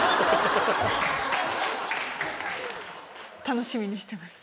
楽しみにしてます。